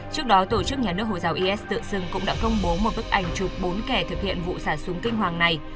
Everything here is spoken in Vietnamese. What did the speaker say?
trước đó tổ chức nhà nước hồi giáo is tự xưng cũng đã công bố một bức ảnh chụp bốn kẻ thực hiện vụ xả súng kinh hoàng này